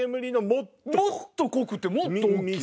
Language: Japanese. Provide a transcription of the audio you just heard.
もっと濃くてもっと大きい。